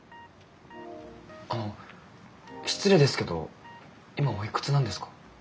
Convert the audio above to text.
あの失礼ですけど今おいくつなんですか？